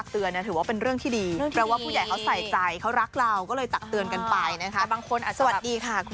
สวัสดีค่ะคุณพลอย